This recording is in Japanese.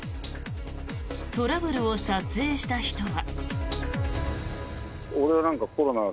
トラブルを撮影した人は。